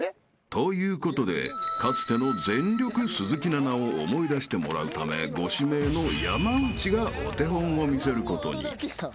［ということでかつての全力鈴木奈々を思い出してもらうためご指名の山内がお手本を見せることに］